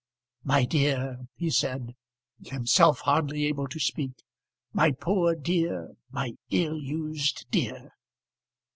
"My dear," he said, himself hardly able to speak; "my poor dear, my ill used dear!"